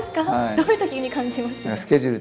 どういうときに感じますか？